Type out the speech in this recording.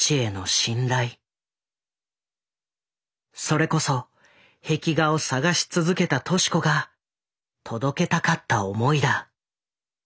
それこそ壁画を探し続けた敏子が届けたかった思いだ。